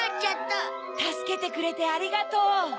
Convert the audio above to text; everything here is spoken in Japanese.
たすけてくれてありがとう！